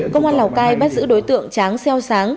công an lào cai bắt giữ đối tượng tráng xeo sáng